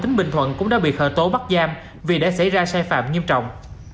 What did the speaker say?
tỉnh bình thuận cũng đã bị khởi tố bắt giam vì đã xảy ra sai phạm nghiêm trọng